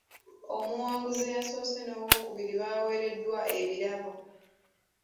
Omuwanguzi eyasoose n'owookubiri baaweereddwa ebirabo.